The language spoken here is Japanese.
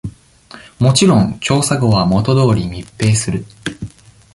もちろん調査後は、元通り密閉する。